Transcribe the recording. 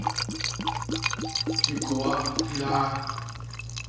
Hikôa hi liaa.